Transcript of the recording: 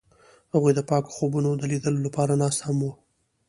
هغوی د پاک خوبونو د لیدلو لپاره ناست هم وو.